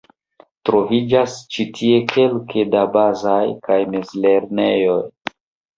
Troviĝas ĉi tie kelke da bazaj kaj mezlernejoj.